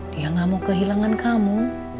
dia gak mau kehilangan kamu